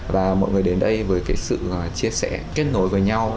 và mọi người đến đây với cái sự chia sẻ kết nối với nhau